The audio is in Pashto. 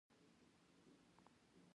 چې په خپل پنځوس کلن ژوند کې مې.